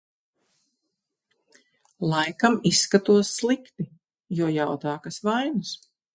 Laikam izskatos slikti, jo jautā, kas vainas.